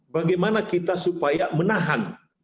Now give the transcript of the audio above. bagaimana kita supaya menahan